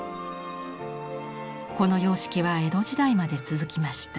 この様式は江戸時代まで続きました。